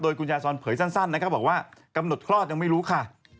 คุณยายซอนเผยสั้นนะครับบอกว่ากำหนดคลอดยังไม่รู้ค่ะ